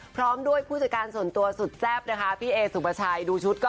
พร้อมด้วยผู้จัดการส่วนตัวสุดแซ่บนะคะพี่เอสุปชัยดูชุดก็